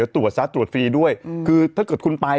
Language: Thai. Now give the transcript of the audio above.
ตรวจซะตรวจฟรีด้วยคือถ้าเกิดคุณไป